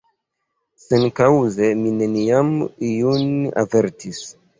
Senkaŭze mi neniam iun avertis.